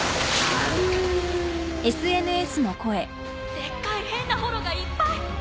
「でっかい変なホロがいっぱい！」